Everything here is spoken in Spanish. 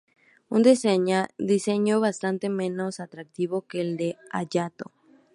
Un diseño bastante menos atractivo que el de Hayato.